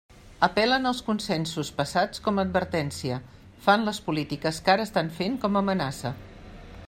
Apel·len als consensos passats com a advertència, fan les polítiques que ara estan fent com a amenaça.